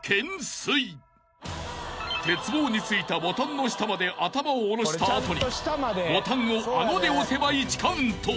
［鉄棒についたボタンの下まで頭を下ろした後にボタンを顎で押せば１カウント］